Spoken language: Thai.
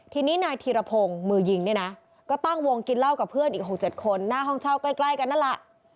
ทีนี้นายธีรพงศ์มือยิงเนี่ยนะก็ตั้งวงกินเหล้ากับเพื่อนอีก๖๗คนหน้าห้องเช่าใกล้กันนั่นแหละ